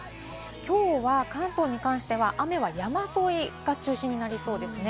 きょうは関東に関しては雨は山沿いが中心になりそうですね。